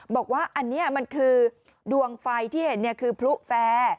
บอกว่าอันเนี่ยมันคือดวงไฟที่เห็นเนี่ยคือพลุแฟ